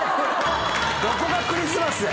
どこがクリスマスや？